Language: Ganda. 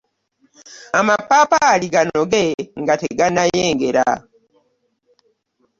Amapaapaali ganoge nga teganayengera.